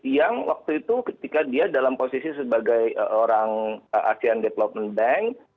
yang waktu itu ketika dia dalam posisi sebagai orang asean development bank